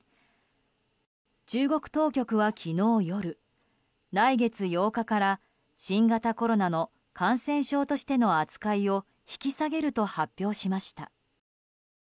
中国当局は昨日夜来月８日から新型コロナの感染症としての扱いを引き下げると発表しました。